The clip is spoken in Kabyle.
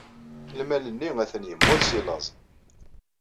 Lmal-nni atan yemmut seg laẓ.